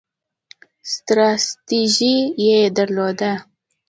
ستراتیژي یې درلوده.